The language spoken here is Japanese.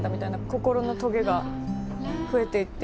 心のトゲが増えていって。